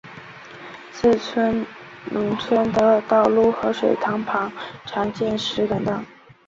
四川农村的道路和水塘旁常能见到石敢当。